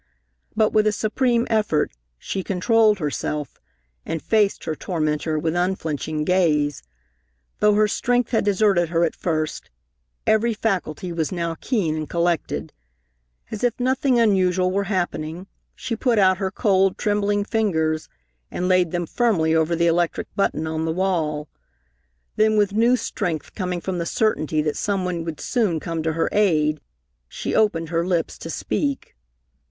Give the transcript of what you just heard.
But with a supreme effort she controlled herself, and faced her tormentor with unflinching gaze. Though her strength had deserted her at first, every faculty was now keen and collected. As if nothing unusual were happening, she put out her cold, trembling fingers, and laid them firmly over the electric button on the wall. Then with new strength coming from the certainty that some one would soon come to her aid, she opened her lips to speak.